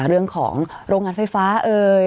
เรื่องของโรงงานไฟฟ้าเอ่ย